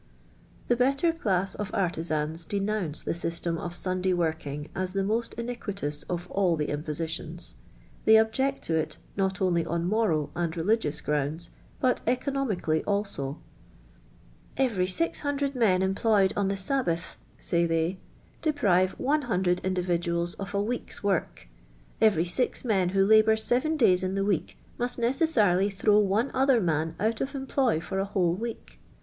The better class of artiz nns denounce the system of Sunday working as the nmat iniquitous of all : the impositions. They object to it. not only on moral and religious grounds, but economically also. *' Kvery GOO men employed on the Sab biith,'' say they, "deprive lUO individuals of a week's wi; rk. Kvery six men who lalxoir seven days in the week must luKeasjirily liir:>w one other man out of employ for a whole week.